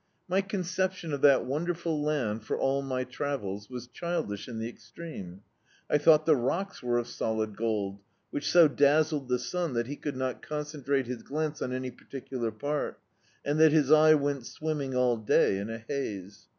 My conception of that wonderful land, for all my travels, was childish in the extreme. I thought the rocks were of solid gold, which so dazzled the sun that he could not concentrate his glance on any particular part, and that his eye went swimming all day in a haze.